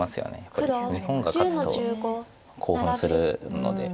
日本が勝つと興奮するので。